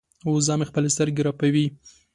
وزه مې خپلې سترګې رپوي.